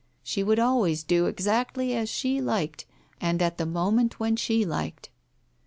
She would always do exactly as she liked, and at the moment when she liked.